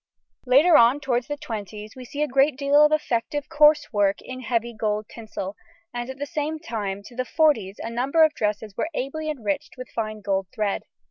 Later on towards the twenties we see a great deal of effective coarse work in heavy gold tinsel, and at the same time to the forties a number of dresses were ably enriched with fine gold thread.